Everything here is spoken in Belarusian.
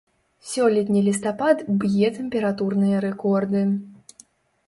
Сёлетні лістапад б'е тэмпературныя рэкорды.